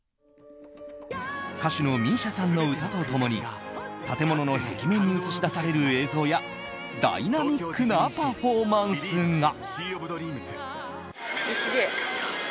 歌手のＭＩＳＩＡさんの歌と共に建物の壁面に映し出される映像やダイナミックなパフォーマンスが。